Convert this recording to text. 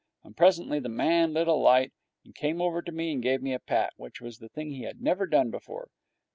And presently the man lit a light and came over to me and gave me a pat, which was a thing he had never done before.